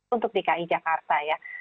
untuk di ki jakarta ya